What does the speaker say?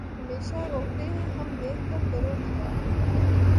ہمیشہ روتے ہیں ہم دیکھ کر در و دیوار